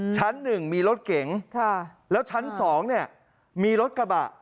ชั้นหนึ่งมีรถเก๋งแล้วชั้นสองเนี่ยมีรถกระบะ